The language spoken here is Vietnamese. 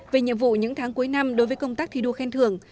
về nhiệm vụ những tháng cuối năm đối với công tác thi đua khen thường